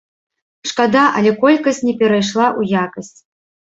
Шкада, але колькасць не перайшла ў якасць.